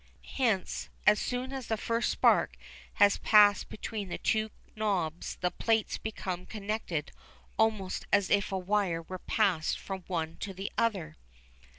Hence as soon as the first spark has passed between the two knobs the plates become connected almost as if a wire were passed from one to the other.